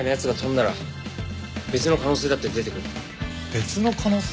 別の可能性？